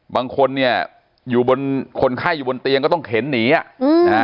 บางคนเนี่ยอยู่บนคนไข้อยู่บนเตียงก็ต้องเข็นหนีอ่ะอืมนะฮะ